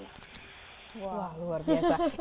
wah luar biasa